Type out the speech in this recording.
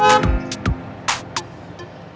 iya aku bisa ada di seluruh tempat ternyata pasti gordon